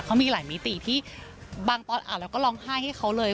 เขามีหลายมิติที่บางตอนอ่านแล้วก็ร้องไห้ให้เขาเลย